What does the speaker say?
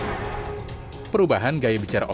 kalau ini adalah hal yang digunakan